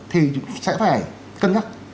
thì chúng ta sẽ phải cân nhắc